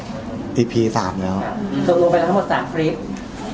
ส่งลงไปแล้วทั้งหมด๓คลิป